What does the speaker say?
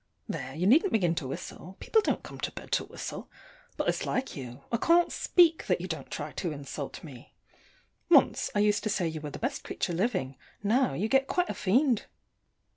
There, you needn't begin to whistle: people don't come to bed to whistle. But it's like you; I can't speak, that you don't try to insult me. Once, I used to say you were the best creature living: now, you get quite a fiend.